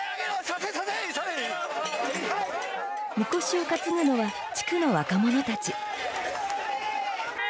神輿を担ぐのは地区の若者たち。